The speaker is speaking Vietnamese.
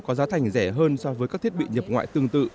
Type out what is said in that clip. có giá thành rẻ hơn so với các thiết bị nhập ngoại tương tự